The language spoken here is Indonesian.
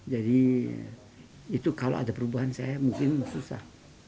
jadi itu kalau ada perubahan saya mungkin susah